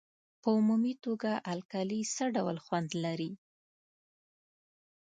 په عمومي توګه القلي څه ډول خوند لري؟